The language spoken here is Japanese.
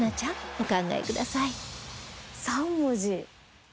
お考えください